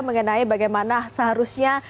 mengenai bagaimana seharusnya